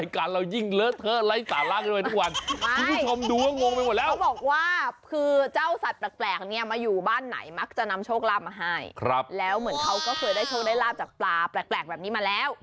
ก็เลยเอาไปมิดูเห็นไหมล่ะ